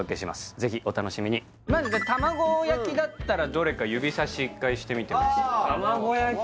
ぜひお楽しみにまず玉子焼きだったらどれか指さし１回してみてもいいですか玉子焼き？